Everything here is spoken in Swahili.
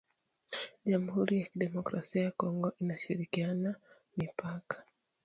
jamuhuri ya kidemokrasia ya Kongo inashirikiana mipaka